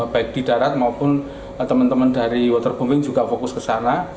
baik di darat maupun teman teman dari waterbombing juga fokus ke sana